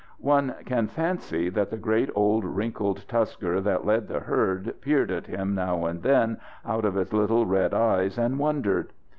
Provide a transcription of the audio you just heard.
One can fancy that the great old wrinkled tusker that led the herd peered at him now and then out of his little red eyes and wondered.